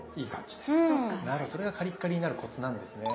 なるほどそれがカリッカリになるコツなんですね。